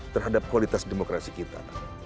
terhadap kualitas demokrasi kita